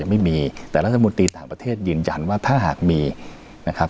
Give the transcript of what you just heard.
ยังไม่มีแต่รัฐบุรนิษฐ์ด้านประเทศยืนยันว่าถ้าหากมีน่ะครับ